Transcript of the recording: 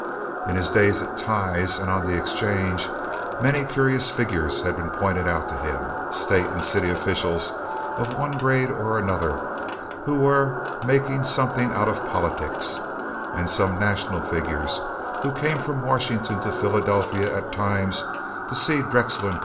In his days at Tighe's and on the exchange, many curious figures had been pointed out to him—State and city officials of one grade and another who were "making something out of politics," and some national figures who came from Washington to Philadelphia at times to see Drexel & Co.